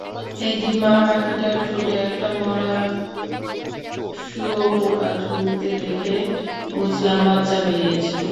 একদিন মা-পাখিটার ঠোঁটে একটা মরা শুঁয়োপোকা ঝুলতে দেখে বুঝলাম, বাচ্চা বেরিয়েছে।